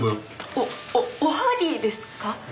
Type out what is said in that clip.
おおおはぎですか？